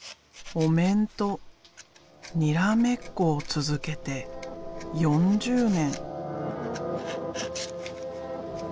お面とにらめっこを続けて４０年。